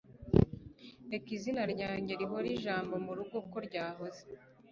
reka izina ryanjye rihore ijambo murugo ko ryahoze